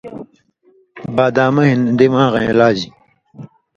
بادامہ ہِن دماغَیں علاج کری